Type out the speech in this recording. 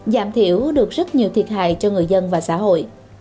giảm thiểu được rất nhiều thiệt hại cho người dân và xã hội